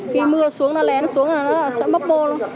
khi mưa xuống nó lén xuống là nó sẽ mất bô luôn